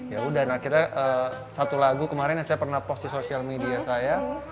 ya udah akhirnya satu lagu kemarin yang saya pernah post di sosial media saya